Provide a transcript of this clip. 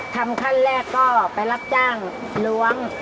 ขั้นแรกก็ไปรับจ้างล้วง